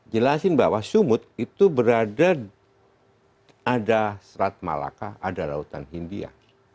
jelasin bahwa sumut itu berada ada serat malaka ada lautan hindia